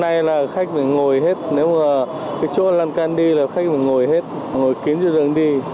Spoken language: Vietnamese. này là khách phải ngồi hết nếu mà cái chỗ lăn can đi là khách phải ngồi hết ngồi kín cho đường đi